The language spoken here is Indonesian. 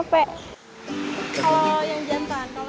kalau yang jantan